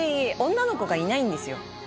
女の子がいないんですよ